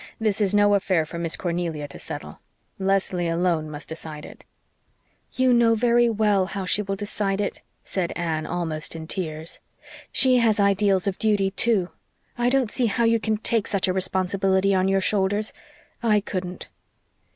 This is no affair for Miss Cornelia to settle. Leslie alone must decide it." "You know very well how she will decide it," said Anne, almost in tears. "She has ideals of duty, too. I don't see how you can take such a responsibility on your shoulders. I couldn't."